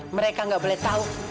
mereka nggak boleh tahu